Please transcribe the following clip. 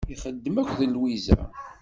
Ixeddem akked Lwiza.